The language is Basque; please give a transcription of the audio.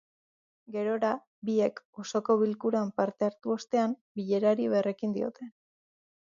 Gerora, biek osoko bilkuran parte hartu ostean, bilerari berrekin diote.